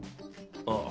ああ。